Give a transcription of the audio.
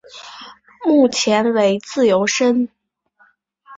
目前为自由身。